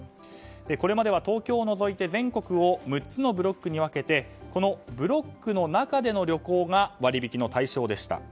これまでは東京を除いて全国を６つのブロックに分けてこのブロックの中での旅行が割引の対象でした。